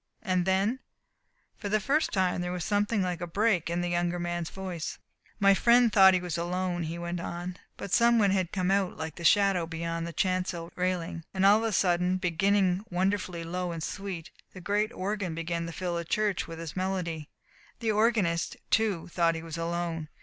And then " For the first time there was something like a break in the younger man's voice. "My friend thought he was alone," he went on. "But some one had come out like a shadow beyond the chancel railing, and of a sudden, beginning wonderfully low and sweet, the great organ began to fill the church with its melody. The organist, too, thought he was alone.